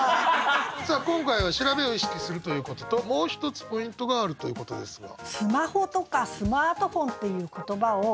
さあ今回は調べを意識するということともう一つポイントがあるということですが。